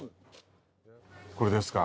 これですか？